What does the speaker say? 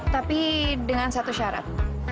tapi dengan satu syarat